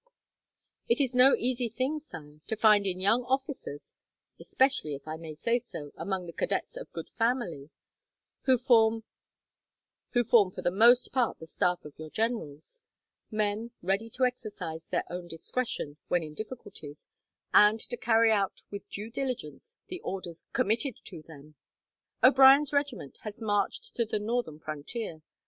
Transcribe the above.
It is no easy thing, Sire, to find in young officers especially, if I may say so, among the cadets of good family, who form for the most part the staff of your generals men ready to exercise their own discretion when in difficulties, and to carry out with due diligence the orders committed to them." "O'Brien's regiment has marched to the northern frontier.